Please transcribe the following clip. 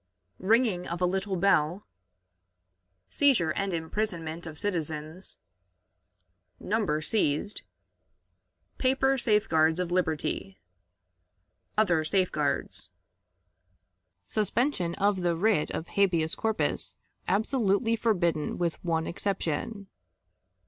"Ringing of a Little Bell." Seizure and Imprisonment of Citizens. Number seized. Paper Safeguards of Liberty. Other Safeguards. Suspension of the Writ of Habeas Corpus absolutely forbidden with One Exception.